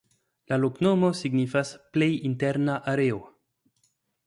La loknomo signifas: "plej interna areo".